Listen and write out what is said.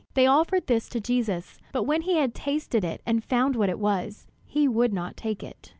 They offered this to Jesus, but when he had tasted it and found what it was, he would not take it.